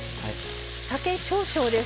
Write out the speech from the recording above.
酒少々です。